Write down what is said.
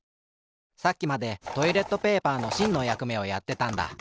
さっきまでトイレットペーパーのしんのやくめをやってたんだ。